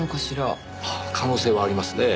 可能性はありますねぇ。